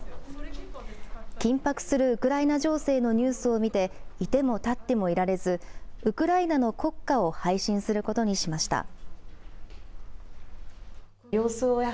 緊迫するウクライナ情勢のニュースを見て居ても立ってもいられずウクライナの国歌を配信することにしました。